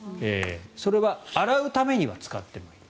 それは洗うためには使ってもいい。